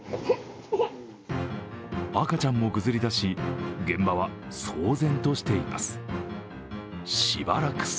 赤ちゃんもぐずりだし、現場は騒然としています。